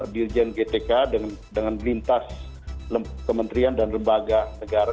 dirjen gtk dengan lintas kementerian dan lembaga negara